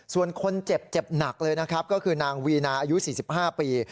ส่วนคนเจ็บเจ็บหนักเลยนะครับก็คือนางวีนาอายุ๔๕ปี